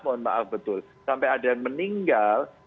mohon maaf betul sampai ada yang meninggal